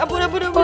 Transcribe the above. ampun ampun ampun